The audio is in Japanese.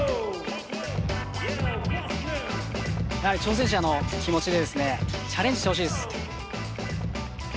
やはり挑戦者の気持ちでですね、チャレンジしてほしいです